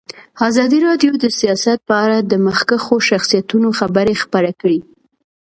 ازادي راډیو د سیاست په اړه د مخکښو شخصیتونو خبرې خپرې کړي.